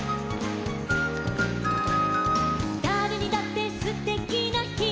「だれにだってすてきなひ」